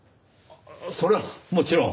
それはもちろん。